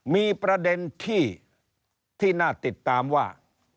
มีประเด็นที่น่าติดตามว่า